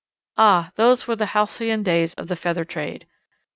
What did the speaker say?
Ah, those were the halcyon days of the feather trade!